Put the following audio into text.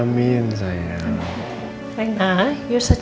dengar allah ya pak